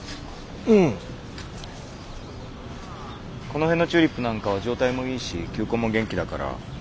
この辺のチューリップなんかは状態もいいし球根も元気だから。